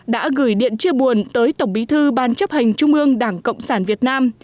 đã gửi điện chia buồn tới tổng bí thư ban chấp hành trung ương đảng cộng sản việt nam